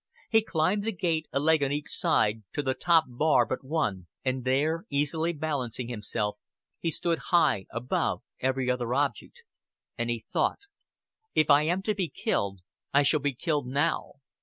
He climbed the gate, a leg on each side, to the top bar but one; and there, easily balancing himself, he stood high above every other object. And he thought: "If I am to be killed, I shall be killed now.